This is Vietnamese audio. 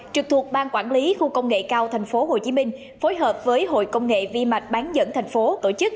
trực thuộc ban quản lý khu công nghệ cao tp hcm phối hợp với hội công nghệ vi mạch bán dẫn tp hcm tổ chức